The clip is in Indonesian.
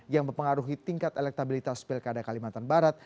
yang mempengaruhi tingkat elektabilitas pilkada kalimantan barat